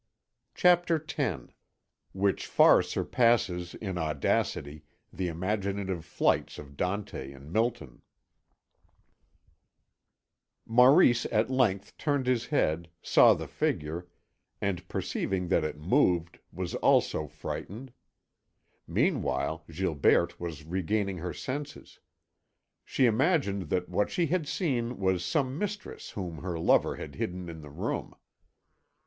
CHAPTER X WHICH FAR SURPASSES IN AUDACITY THE IMAGINATIVE FLIGHTS OF DANTE AND MILTON Maurice at length turned his head, saw the figure, and perceiving that it moved, was also frightened. Meanwhile, Gilberte was regaining her senses. She imagined that what she had seen was some mistress whom her lover had hidden in the room.